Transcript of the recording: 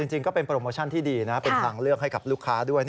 จริงก็เป็นโปรโมชั่นที่ดีนะเป็นทางเลือกให้กับลูกค้าด้วย